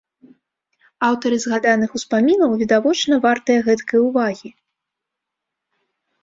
Аўтары згаданых успамінаў відавочна вартыя гэткай увагі.